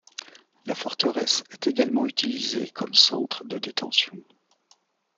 La forteresse est également utilisée comme centre de détention.